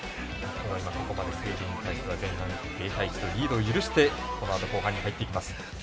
ここまでスウェーデンに対しては前半１対０とリードを許して、このあと後半に入っていきます。